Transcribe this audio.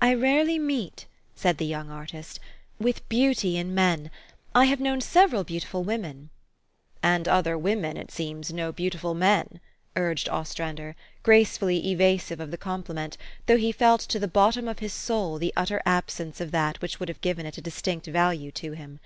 "I rarely meet," said the young artist, "with beauty in men. I have known several beautiful women." "And other women, it seems, know beautiful men," urged Ostrander, gracefully evasive of the compliment, though he felt to the bottom of his soul the utter absence of that which would have given it a distinct value to him.